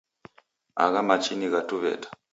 Agha machi ni gha Tuw'eta